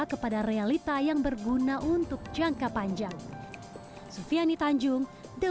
kepada realita yang berguna untuk jangka panjang